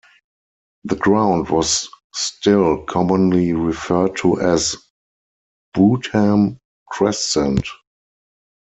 The ground was still commonly referred to as Bootham Crescent.